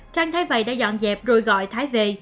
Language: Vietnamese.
trang thấy vậy đã dọn dẹp rồi gọi thái về